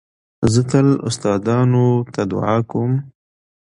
زه تل استادانو ته دؤعا کوم.